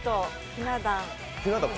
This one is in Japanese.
ひな壇。